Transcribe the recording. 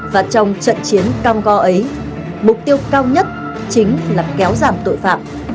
và trong trận chiến cao co ấy mục tiêu cao nhất chính là kéo giảm tội phạm